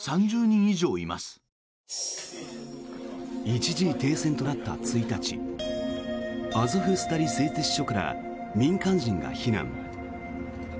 一時停戦となった１日アゾフスタリ製鉄所から民間人が避難。